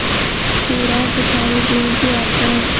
تورک د تاوېدو ځواک دی.